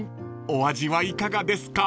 お味はいかがですか？］